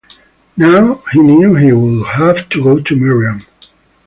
Now he knew he would have to go to Miriam.